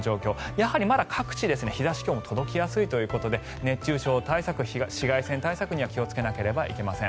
やはりまだ各地、日差し今日も届きやすいということで熱中症対策、紫外線対策には気をつけなければいけません。